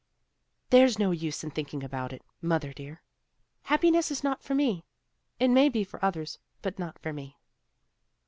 "There is no use in thinking about it, mother dear. Happiness is not for me. It may be for others, but not for me."